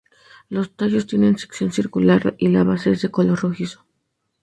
Los tallos tienen sección circular y la base es de color rojizo.